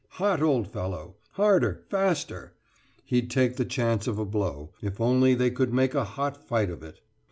hot, old fellow! harder faster! He'd take the chance of a blow if only they could make a hot fight of it!